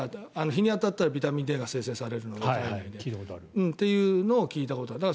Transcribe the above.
日に当たったらビタミンＤが生成されるのでそういうのを聞いたことがある。